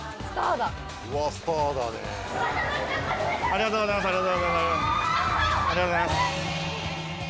ありがとうございます。